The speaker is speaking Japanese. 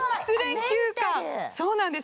そうなんです！